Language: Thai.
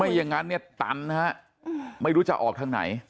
อย่างนั้นเนี่ยตันนะฮะไม่รู้จะออกทางไหน